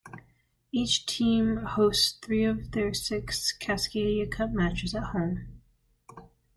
Each team hosts three of their six Cascadia Cup matches at home.